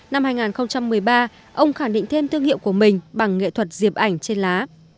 năm hai nghìn một mươi ba ông khẳng định thêm thương hiệu của mình bằng nghệ thuật diệp ảnh trên lá